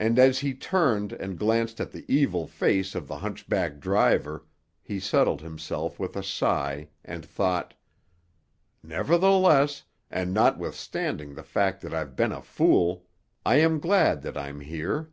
And as he turned and glanced at the evil face of the hunchback driver he settled himself with a sigh, and thought— "Nevertheless, and notwithstanding the fact that I've been a fool, I am glad that I'm here."